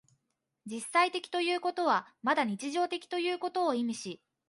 実際的ということはまた日常的ということを意味し、